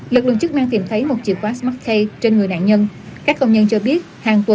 lực lượng chức năng tìm thấy một chìa khóa smartk trên người nạn nhân